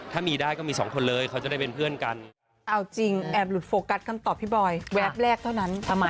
ถ้ามีได้ก็มีสองคนเลยเขาจะได้เป็นเพื่อนกัน